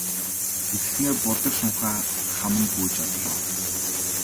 Тэгснээ будаг шунхаа хаман гүйж одлоо.